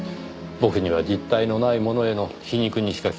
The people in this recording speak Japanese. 僕には実体のないものへの皮肉にしか聞こえませんがねぇ。